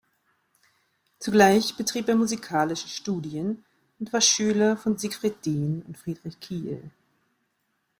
Zugleich betrieb er musikalische Studien und war Schüler von Siegfried Dehn und Friedrich Kiel.